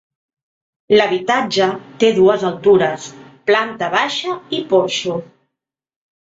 L’habitatge té dues altures: planta baixa i porxo.